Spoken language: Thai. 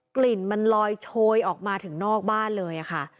กลิ่นมันลอยโชยออกมาถึงนอกบ้านเลยค่ะ